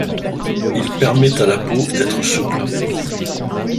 Il permet à la peau d'être souple.